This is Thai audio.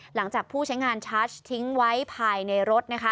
หลังจากผู้ใช้งานชาติทิ้งไว้ภายในรถ